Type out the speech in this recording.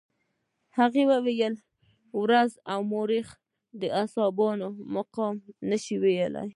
هغه وايي تاریخ او مورخ د صحابه وو مقام نشي ویلای.